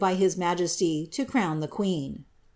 by his majesty, to crown ihe queen.'